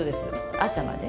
朝まで？